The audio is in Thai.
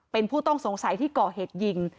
เป็นผู้ต้องสงสัยที่ก่อเหตุยิง